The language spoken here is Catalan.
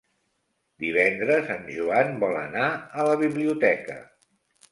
Divendres en Joan vol anar a la biblioteca.